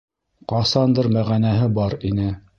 Ҡасандыр мәғәнәһе бар ине.